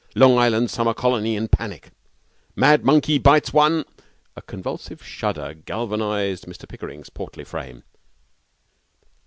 "Long Island Summer Colony in Panic." "Mad Monkey Bites One "' A convulsive shudder galvanized Mr Pickering's portly frame.